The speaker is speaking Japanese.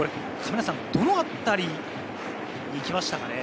どの辺りに行きましたかね？